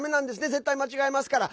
絶対間違えますから。